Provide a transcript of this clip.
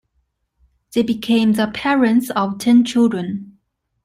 They became the parents of ten children.